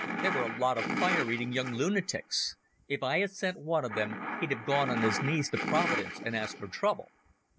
They were a lot of fire eating young lunatics. If I had sent one of them he'd have gone on his knees to Providence and asked for trouble."